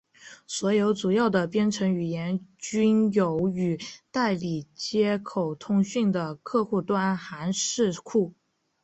所有主要的编程语言均有与代理接口通讯的客户端函式库。